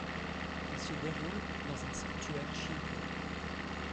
Il se déroule dans un sanctuaire shinto.